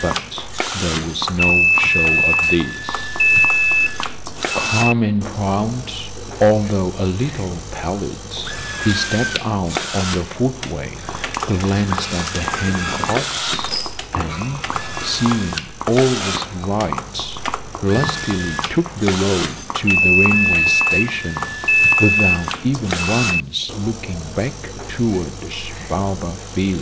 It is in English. But there was no show of this. Calm and proud, although a little pallid, he stepped out on the footway, glanced at the hand carts, and, seeing all was right, lustily took the road to the railway station, without even once looking back towards Baobab Villa.